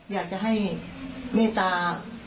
อยากจะให้เมตตา